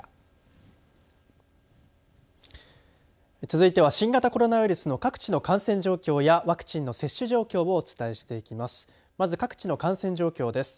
続いては新型コロナウイルスの各地の感染状況やワクチンの接種状況をお伝えしていきます。